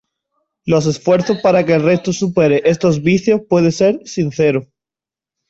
Los esfuerzos para que el resto supere estos vicios puede ser sincero.